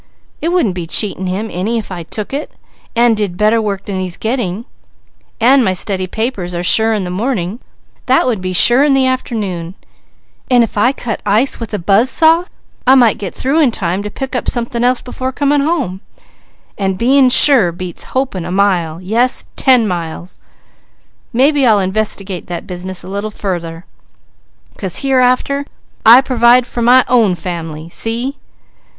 It wouldn't be cheating him any if I took it, and did better work than he's getting, and my steady papers are sure in the morning; that would be sure in the afternoon, and if I cut ice with a buzz saw, I might get through in time to pick up something else before coming home, and being sure beats hoping a mile, yes ten miles! Mebby I'll investigate that business a little further, 'cause hereafter I provide for my own family. See?